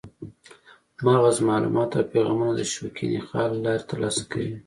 مغز معلومات او پیغامونه د شوکي نخاع له لارې ترلاسه کوي.